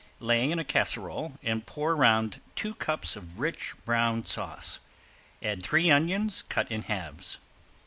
Lay in a casserole and pour round two cups of rich brown sauce; add three onions cut in halves.